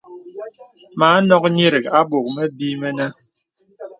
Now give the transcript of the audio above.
Mə anɔk nyìrìk a bɔk məbì mənə.